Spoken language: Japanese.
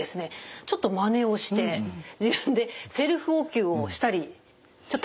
ちょっとまねをして自分でセルフお灸をしたりちょっと試したことあるんです。